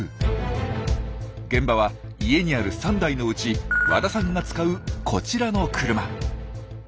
現場は家にある３台のうち和田さんが使うこちらの車。